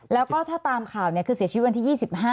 แล้วก็ถ้าตามข่าวคือเสียชีวิตวันที่๒๕